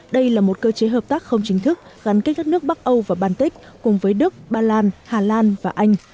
đây là một cơ chế hợp tác không chính thức gắn kết các nước bắc âu và baltic cùng với đức ba lan hà lan và anh